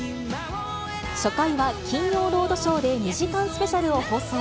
初回は金曜ロードショーで２時間スペシャルを放送。